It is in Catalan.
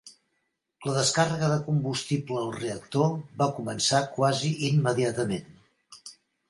La descàrrega de combustible al reactor va començar quasi immediatament.